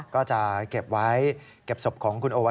ก็จะเก็บไว้เก็บศพของคุณโอไว้